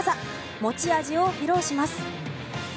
持ち味を披露します。